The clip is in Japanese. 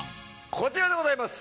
こちらでございます！